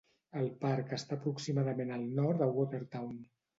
El parc està aproximadament al nord de Watertown.